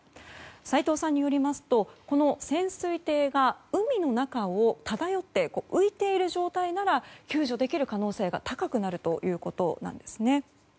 斎藤さんによりますと潜水艇が海の中を漂って浮いている状態なら救助できる可能性が高くなるということなんですね。